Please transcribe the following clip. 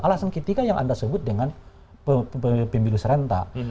alasan ketiga yang anda sebut dengan pemilu serentak